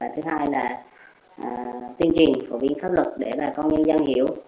thứ hai là tuyên truyền phổ biến pháp luật để bà con nhân dân hiểu